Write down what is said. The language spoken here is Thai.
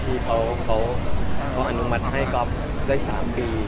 ที่เขาอนุมัติให้ก๊อฟได้๓ปี